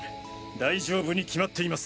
大丈夫に決まっています。